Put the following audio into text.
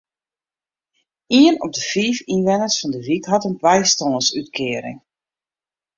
Ien op de fiif ynwenners fan de wyk hat in bystânsútkearing.